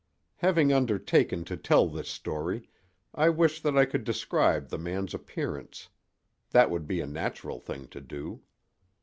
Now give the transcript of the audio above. Having undertaken to tell this story, I wish that I could describe the man's appearance; that would be a natural thing to do.